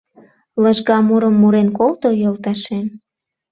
Лыжга мурым мурен колто, йолташем.